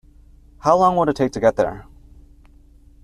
How long would it take to get there?